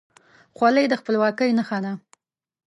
خولۍ د خپلواکۍ نښه ده.